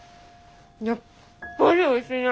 やっぱりおいしいね！